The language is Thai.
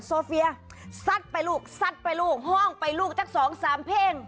โซเฟียสัดไปลูกห้องไปลูกจาก๒๓เพลง